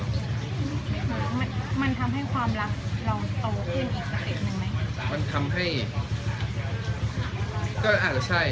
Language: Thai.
มันทำให้ความรักเราโตขึ้นอีกสติดหนึ่งไหม